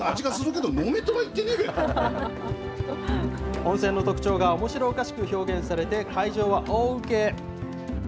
温泉の特徴がおもしろおかしく表現されて、会場は大ウケ！